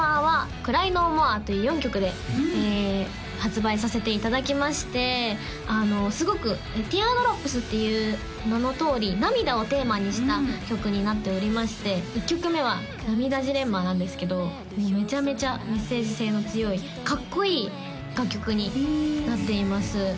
「ＣｒｙＮｏＭｏｒｅ！」という４曲で発売させていただきましてすごく「Ｔｅａｒｄｒｏｐｓ」っていう名のとおり涙をテーマにした曲になっておりまして１曲目は「ナミダジレンマ」なんですけどめちゃめちゃメッセージ性の強いかっこいい楽曲になっています